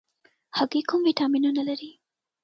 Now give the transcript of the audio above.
هګۍ کوم ویټامینونه لري؟